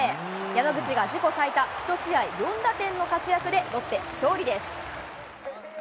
山口が自己最多、１試合４打点の活躍でロッテ、勝利です。